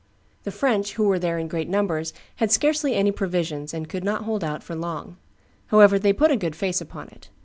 The French, who were there in great numbers, had scarcely any provisions, and could not hold out for long; however, they put a good face upon it.